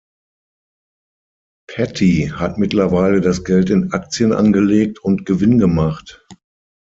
Patty hat mittlerweile das Geld in Aktien angelegt und Gewinn gemacht.